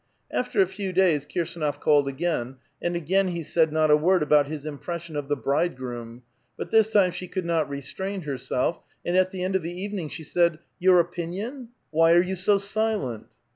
After a few days Kirsdnof called again, and again he said not a word about his impression of the " bridegroom "; but this time she could not restrain herself, and at the end of the evening, she said :—'' Your opinion? Why are you so silent?"